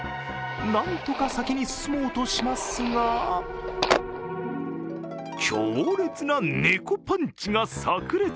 なんとか先に進もうとしますが強烈な猫パンチがさく裂。